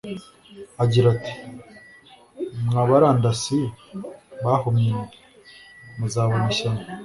agira ati: «Mwa barandasi bahumye mwe, muzabona ishyano;